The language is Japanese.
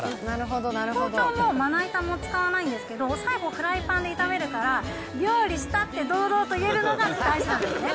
包丁もまな板も使わないんですけど、最後、フライパンで炒めるから、料理したって、堂々と言えるのが大事なんですね。